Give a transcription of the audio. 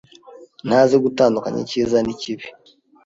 Ntazi gutandukanya icyiza n'ikibi. )